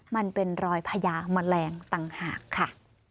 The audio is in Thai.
มันเป็นรอยพญาแมลงต่างหากค่ะ